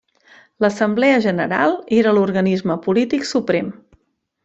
L'Assemblea General era l'organisme polític suprem.